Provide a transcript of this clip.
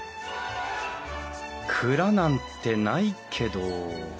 蔵なんてないけど？